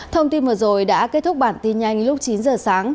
thông tin vừa rồi đã kết thúc bản tin nhanh lúc chín giờ sáng